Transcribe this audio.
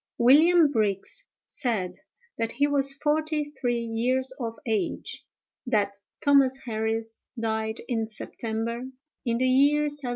"William Brigs said, that he was forty three years of age; that Thomas Harris died in September, in the year 1790.